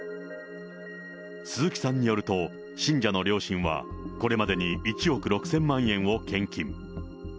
鈴木さんによると、信者の両親はこれまでに１億６０００万円を献金。